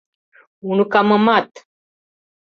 — Уныкамымат!